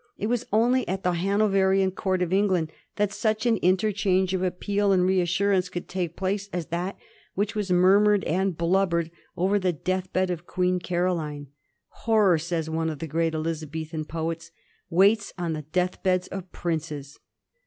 It was only at the Hanoverian Court of England that such an interchange of appeal and reassurance could take place as that which was murmured and blubbered over the death bed of Queen Caroline. "Horror," says one of the great Elizabethan poets, " waits on the death beds of princes."